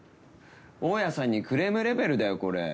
大家さんにクレームレベルだよこれ。